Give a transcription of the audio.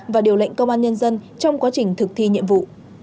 và điều lệnh công an nhân dân trong quá trình thực thi nhiệm vụ